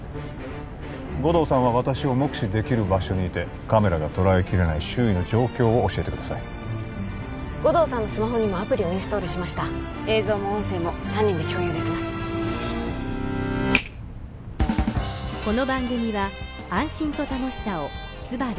護道さんは私を目視できる場所にいてカメラが捉えきれない周囲の状況を教えてください護道さんのスマホにもアプリをインストールしました映像も音声も３人で共有できますあれ？